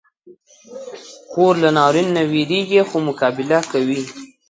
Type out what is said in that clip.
خور له ناورین نه وېریږي، خو مقابله کوي.